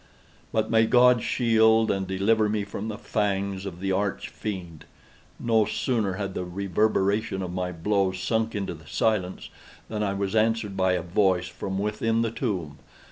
But may God shield and deliver me from the fangs of the Arch Fiend! No sooner had the reverberation of my blows sunk into silence, than I was answered by a voice from within the tomb!